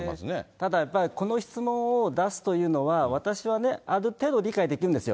ただやっぱり、この質問を出すというのは、私はね、ある程度理解できるんですよ。